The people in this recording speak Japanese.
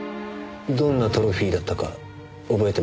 どんなトロフィーだったか覚えてますか？